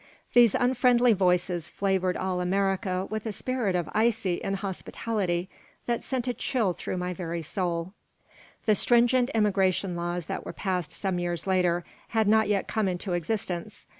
These unfriendly voices flavored all America with a spirit of icy inhospitality that sent a chill through my very soul The stringent immigration laws that were passed some years later had not yet come into existence.